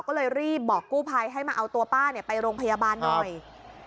ก็เลยรีบบอกกู้ภัยให้มาเอาตัวป้าไปโรงพยาบาลหน่อย